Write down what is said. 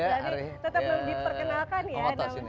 tetap mau diperkenalkan ya